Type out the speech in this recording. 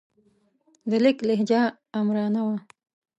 د لیک لهجه آمرانه وه.